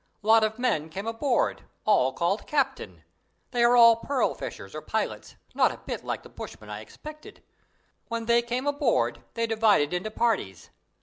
Lot of men came aboard, all called Captain. They are all pearl fishers or pilots, not a bit like the bushmen I expected. When they came aboard they divided into parties.